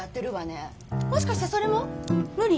もしかしてそれも無理？